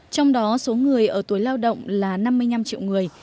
trong đó số người ở tuổi lao động là năm mươi năm triệu người